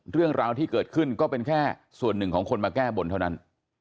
เรื่องราวที่เกิดขึ้นก็เป็นแค่ส่วนหนึ่งของคนมาแก้บนเท่านั้น